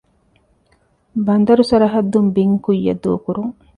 ބަނދަރު ސަރަޙައްދުން ބިން ކުއްޔަށް ދޫކުރުން